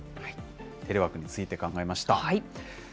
テレワークについて考えました。